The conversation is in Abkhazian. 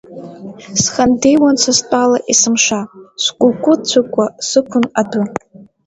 Схандеиуан са стәала есымша, скәыкәы-цыкәуа сықәын адәы.